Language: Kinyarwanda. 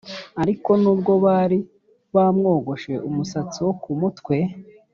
Ariko nubwo bari bamwogoshe umusatsi wo ku mutwe